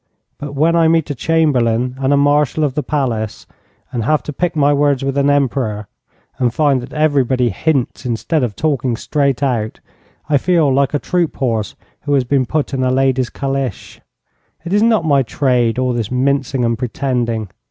But when I meet a Chamberlain and a Marshal of the Palace, and have to pick my words with an Emperor, and find that everybody hints instead of talking straight out, I feel like a troop horse who has been put in a lady's calèche. It is not my trade, all this mincing and pretending.